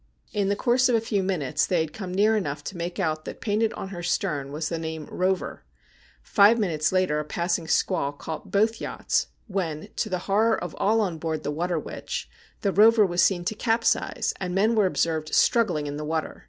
In the course of a few minutes they had come near enough to make out that painted on her stern was the name ' Eover.' Five minutes later a passing squall caught both yachts, when, to the horror of all on board the ' Water Witch,' the ' Bover ' was seen to capsize, and men were observed struggling in the water.